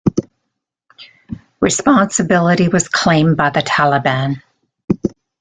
Responsibility was claimed by the Taliban.